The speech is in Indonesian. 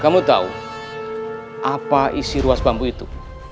kamu tahu apa isi ruas bambu itu